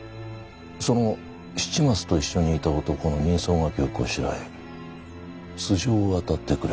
その七松と一緒にいた男の人相書きをこしらえ素性を当たってくれ。